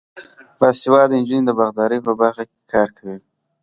باسواده نجونې د باغدارۍ په برخه کې کار کوي.